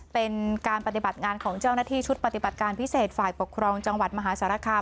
เป็นการปฏิบัติงานของเจ้าหน้าที่ชุดปฏิบัติการพิเศษฝ่ายปกครองจังหวัดมหาสารคาม